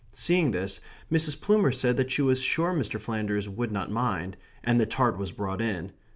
Seeing this, Mrs. Plumer said that she was sure Mr. Flanders would not mind and the tart was brought in.